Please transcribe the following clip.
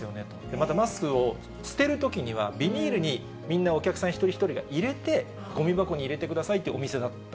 またマスクを捨てるときには、ビニールに、みんな、お客さん一人一人が入れて、ごみ箱に入れてくださいっていうお店だった。